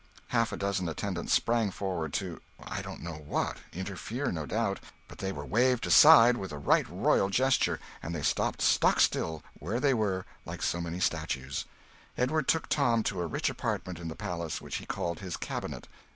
Half a dozen attendants sprang forward to I don't know what; interfere, no doubt. But they were waved aside with a right royal gesture, and they stopped stock still where they were, like so many statues. Edward took Tom to a rich apartment in the palace, which he called his cabinet.